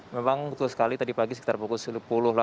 memang betul sekali tadi pagi sekitar pukul sepuluh